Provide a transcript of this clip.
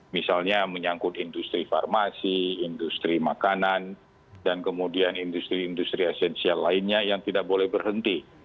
misalnya menyangkut industri farmasi industri makanan dan kemudian industri industri esensial lainnya yang tidak boleh berhenti